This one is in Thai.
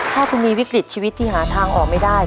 ถ้าคุณมีวิกฤตชีวิตที่หาทางออกไม่ได้